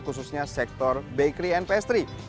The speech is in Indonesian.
khususnya sektor bakery and pastry